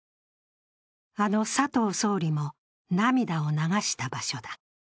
あの佐藤総理も涙を流した場所だ。